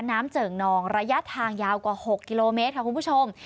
เจิ่งนองระยะทางยาวกว่า๖กิโลเมตรค่ะคุณผู้ชม